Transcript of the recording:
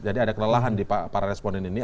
jadi ada kelelahan di para responden ini